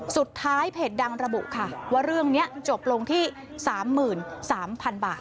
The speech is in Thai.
สุดท้ายเพจดังระบุค่ะเวอร์เรื่องนี้จบลงที่สามหมื่นสามพันบาท